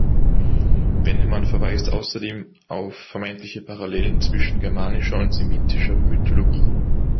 Vennemann verweist außerdem auf vermeintliche Parallelen zwischen germanischer und semitischer Mythologie.